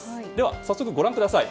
早速ご覧ください。